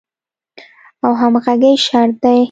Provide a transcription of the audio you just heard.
او همغږۍ شرط دی.